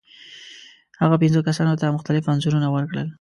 هغه پنځو کسانو ته مختلف انځورونه ورکړل.